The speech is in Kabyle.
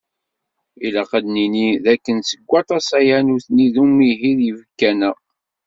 Ilaq ad d-nini d akken seg waṭas-aya, nutni deg umihi yibkan-a.